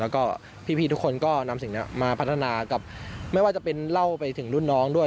แล้วก็พี่ทุกคนก็นำสิ่งนี้มาพัฒนากับไม่ว่าจะเป็นเล่าไปถึงรุ่นน้องด้วย